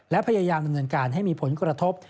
และพยายามดำเนินการให้มีผลกระทบ